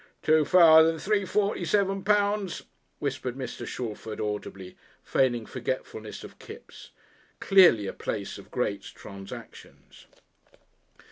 "Two thous'n three forty seven pounds," whispered Mr. Shalford audibly, feigning forgetfulness of Kipps. Clearly a place of great transactions!